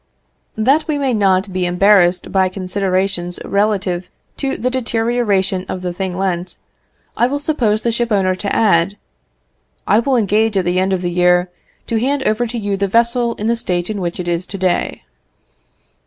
That we may not be embarrassed by considerations relative to the deterioration of the thing lent, I will suppose the shipowner to add, "I will engage, at the end of the year, to hand over to you the vessel in the state in which it is to day."